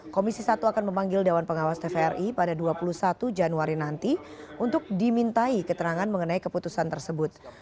komisi satu akan memanggil dewan pengawas tvri pada dua puluh satu januari nanti untuk dimintai keterangan mengenai keputusan tersebut